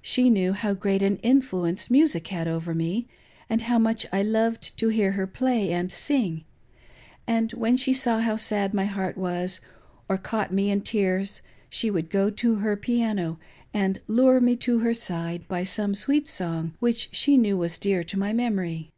She knew how great an influence music had over me, and how much I loved to hear her play and sing ; and when she saw how sad my heart was, or caught me in tears, she would go to her piano, and lure me to her side by some sweet song which she knew was dear to my memory.